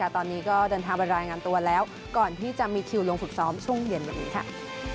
ตอนนี้ก็เดินทางไปรายงานตัวแล้วก่อนที่จะมีคิวลงฝึกซ้อมช่วงเย็นวันนี้ค่ะ